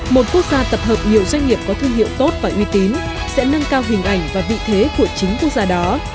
một quốc gia tập hợp nhiều doanh nghiệp có thương hiệu tốt và uy tín sẽ nâng cao hình ảnh và vị thế của chính quốc gia đó